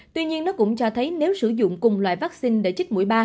tuy nhiên nó cũng cho thấy nếu sử dụng cùng loại vaccine để chích mũi ba